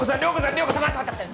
涼子さん待って待って待って。